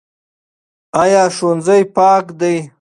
ایا ښوونځی پاک دی؟